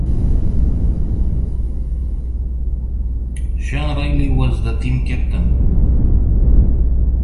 Sean Riley was the team captain.